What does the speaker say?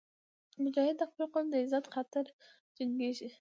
مجاهد د خپل قوم د عزت خاطر جنګېږي.